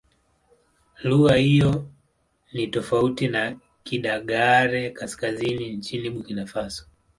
Lugha hiyo ni tofauti na Kidagaare-Kaskazini nchini Burkina Faso.